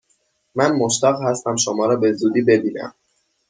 من مشتاق هستم شما را به زودی ببینم!